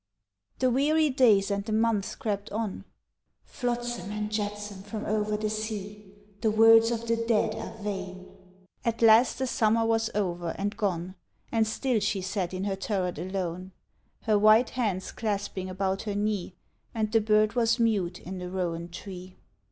_) The weary days and the months crept on, (Flotsam and jetsam from over the sea, The words of the dead are vain) At last the summer was over and gone, And still she sat in her turret alone, Her white hands clasping about her knee, And the bird was mute in the rowan tree.